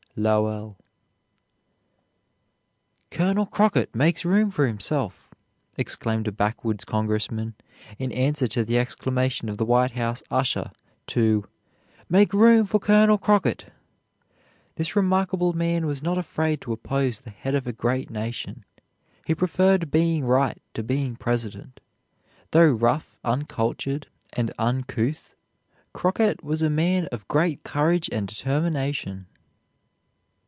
LOWELL. "Colonel Crockett makes room for himself!" exclaimed a backwoods congressman in answer to the exclamation of the White House usher to "Make room for Colonel Crockett!" This remarkable man was not afraid to oppose the head of a great nation. He preferred being right to being president. Though rough, uncultured, and uncouth, Crockett was a man of great courage and determination.